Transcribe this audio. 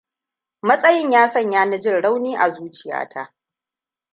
Matsayin ya sanya ni jin rauni a zuciya ta.